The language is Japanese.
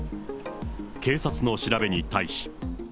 警察の調べに対し。